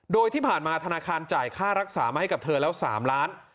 โดยที่ผ่านมาธนาคารจ่ายค่ารักษามาให้กับเธอแล้ว๓ล้าน